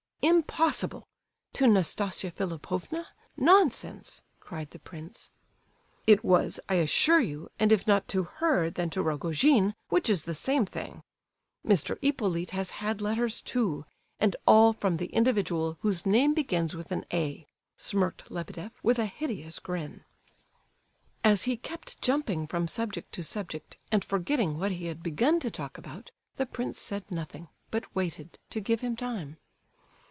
Impossible! To Nastasia Philipovna? Nonsense!" cried the prince. "It was, I assure you, and if not to her then to Rogojin, which is the same thing. Mr. Hippolyte has had letters, too, and all from the individual whose name begins with an A.," smirked Lebedeff, with a hideous grin. As he kept jumping from subject to subject, and forgetting what he had begun to talk about, the prince said nothing, but waited, to give him time.